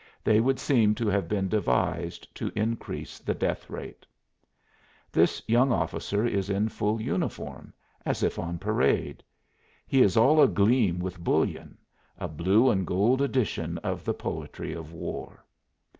They would seem to have been devised to increase the death rate. This young officer is in full uniform, as if on parade. He is all agleam with bullion a blue and gold edition of the Poetry of War.